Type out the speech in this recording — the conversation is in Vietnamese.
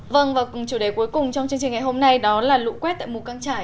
vâng và chủ đề cuối cùng trong chương trình ngày hôm nay đó là lũ quét tại mù căng trải